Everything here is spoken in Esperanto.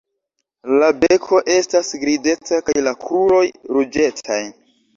La beko estas grizeca kaj la kruroj ruĝecaj.